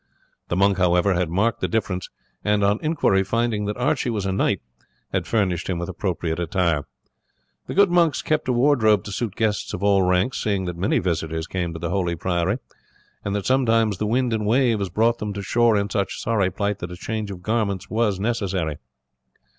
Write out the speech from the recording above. The monk, however, had marked the difference; and on inquiry, finding that Archie was a knight, had furnished him with appropriate attire. The good monks kept a wardrobe to suit guests of all ranks, seeing that many visitors came to the holy priory, and that sometimes the wind and waves brought them to shore in such sorry plight that a change of garments was necessary.